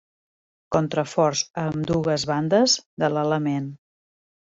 Contraforts a ambdues bandes de l'element.